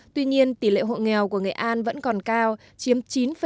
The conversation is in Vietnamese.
tuy nhiên tỷ lệ hộ nghèo của nghệ an vẫn còn cao chiếm chín tám